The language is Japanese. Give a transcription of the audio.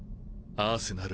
アーセナル！